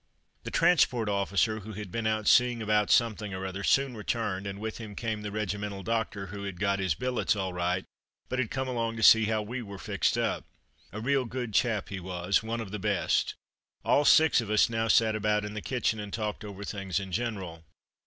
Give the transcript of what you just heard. The transport officer, who had been out seeing about something or other, soon returned, and with him came the regimental doctor, who had got his billets all right, but had come along to see how we were fixed up. A real good chap he was, one of the best. All six of us now sat about in the kitchen and talked over things in general.